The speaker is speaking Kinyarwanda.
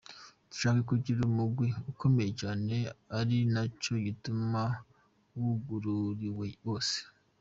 "Dushaka kugira umugwi ukomeye cane ari na co gituma wugururiwe bose.